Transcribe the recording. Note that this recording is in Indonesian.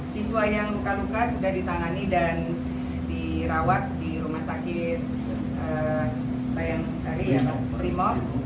siswa yang luka luka sudah ditangani dan dirawat di rumah sakit bayangkari primo